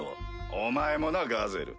お前もなガゼル。